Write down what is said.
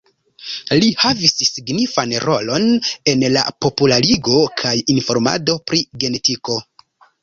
Li havis signifan rolon en la popularigo kaj informado pri genetiko.